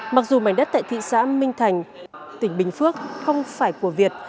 mặc dù mảnh đất tại thị xã minh thành tỉnh bình phước không phải của việt